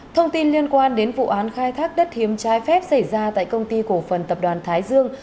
thông tin liên quan đến vụ án khai thác đất hiếm trái phép xảy ra tại công ty cổ phần tập đoàn thái dương